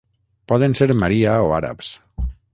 Poden ser Maria o àrabs.